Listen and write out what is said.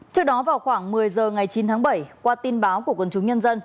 trước đó vào khoảng một mươi giờ ngày chín tháng bảy qua tin báo của quân sự